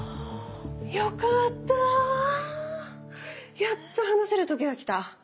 よかった！やっと話せる時が来た。